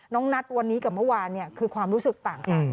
นัทวันนี้กับเมื่อวานคือความรู้สึกต่างกัน